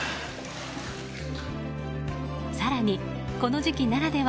更に、この時期ならでは。